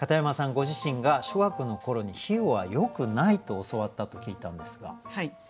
ご自身が小学校の頃に比喩はよくないと教わったと聞いたんですが。